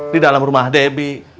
di dalam rumah debbie